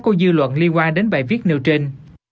của dư luận liên quan đến bài viết nêu trên